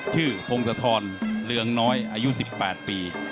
ชื่อฟงตธรเรืองน้อยอายุ๑๘ปี